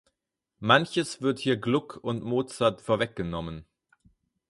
Manches wird hier Gluck und Mozart vorweggenommen.